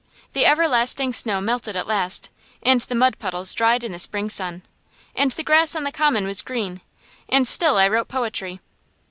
The everlasting snow melted at last, and the mud puddles dried in the spring sun, and the grass on the common was green, and still I wrote poetry!